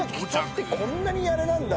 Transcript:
北ってこんなにあれなんだ